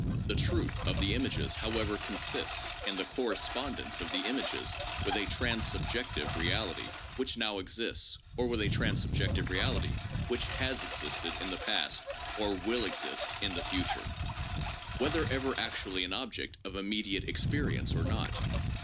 The truth of the images, how ever, consists in the correspondence of the images with a trans subjective reality which now exists, or with a transsubjective reality which has existed in the past or will exist in the future, whether ever actually an object of immediate experience or not.